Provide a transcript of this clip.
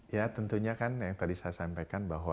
ya tentunya kan yang tadi saya sampaikan bahwa